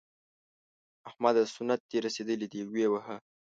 احمده! سنت دې رسېدلي دي؛ ویې وهه.